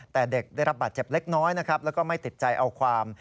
แต่เด็กได้รับบาดเจ็บเล็กน้อยนะครับแล้วก็ไม่ติดใจเอาความ